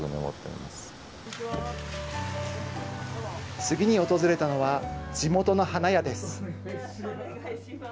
次に訪れたのは、地元の花屋です。